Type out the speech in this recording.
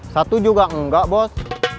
satu juga enggak bos